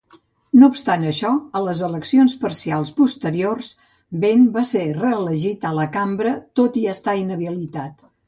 No obstant això, a les eleccions parcials posteriors, Benn va ser reelegit a la cambra tot i estar inhabilitat.